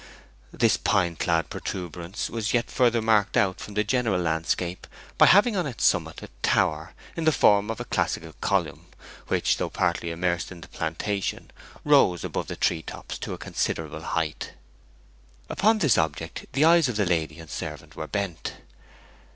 This pine clad protuberance was yet further marked out from the general landscape by having on its summit a tower in the form of a classical column, which, though partly immersed in the plantation, rose above the tree tops to a considerable height. Upon this object the eyes of lady and servant were bent.